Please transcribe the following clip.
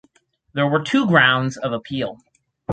There were two grounds of appeal.